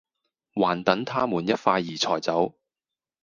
還等她們一塊兒才走